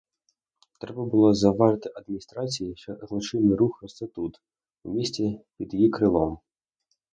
Треба було завважити адміністрації, що злочинний рух росте тут, у місті, під її крилом.